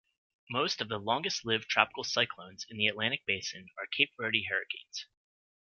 Most of the longest-lived tropical cyclones in the Atlantic basin are Cape Verde hurricanes.